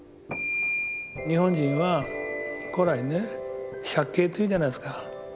日本人は古来ね借景というじゃないですか。